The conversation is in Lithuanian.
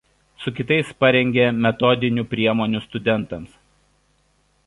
Su kitais parengė metodinių priemonių studentams.